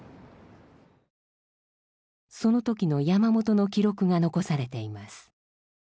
その時の山本の記録が残されています。